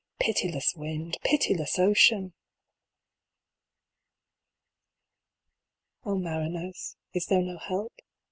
Pitiless wind ! Pitiless ocean ! VI. O mariners, is there no help